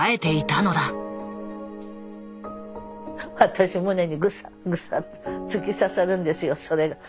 私胸にグサッグサッと突き刺さるんですよそれが。